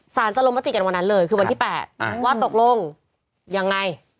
จะลงมติกันวันนั้นเลยคือวันที่๘ว่าตกลงยังไง